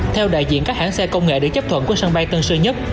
theo đại diện các hãng xe công nghệ được chấp thuận của sân bay tân sơn nhất